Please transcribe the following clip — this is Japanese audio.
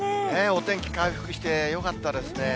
お天気回復してよかったですね。